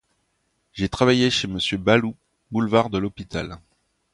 J'ai travaillé chez monsieur Baloup, boulevard de l'Hôpital.